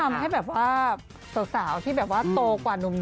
มันทำให้สาวที่โตขวานุ่ม